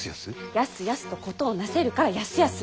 やすやすと事をなせるから泰康！